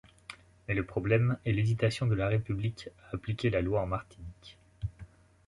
Mais le problème est l'hésitation de la République à appliquer la loi en Martinique.